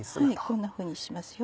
こんなふうにしますよ。